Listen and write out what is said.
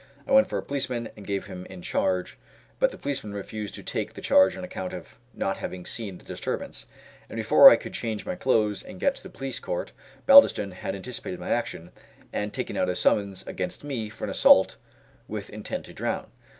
I went for a policeman and gave him in charge, but the policeman refused to take the charge on account of not having seen the disturbance, and before I could change my clothes and get to the Police Court, Baldiston had anticipated my action, and taken out a summons against me for an assault with intent to drown.